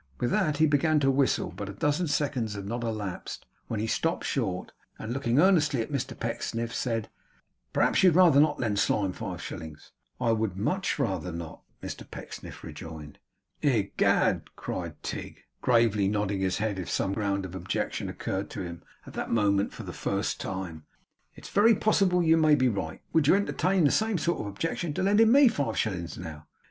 With that he began to whistle; but a dozen seconds had not elapsed when he stopped short, and looking earnestly at Mr Pecksniff, said: 'Perhaps you'd rather not lend Slyme five shillings?' 'I would much rather not,' Mr Pecksniff rejoined. 'Egad!' cried Tigg, gravely nodding his head as if some ground of objection occurred to him at that moment for the first time, 'it's very possible you may be right. Would you entertain the same sort of objection to lending me five shillings now?